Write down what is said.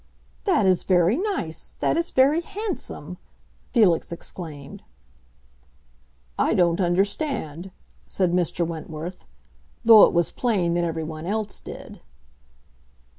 "That is very nice; that is very handsome!" Felix exclaimed. "I don't understand," said Mr. Wentworth; though it was plain that everyone else did.